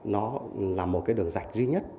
nó là một cái đường dạch duy nhất